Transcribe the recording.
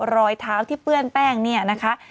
รอยเท้าที่เปื้อนแป้งเนี่ยนะคะ